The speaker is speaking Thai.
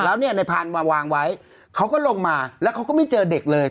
แล้วเนี่ยในพันธุ์มาวางไว้เขาก็ลงมาแล้วเขาก็ไม่เจอเด็กเลย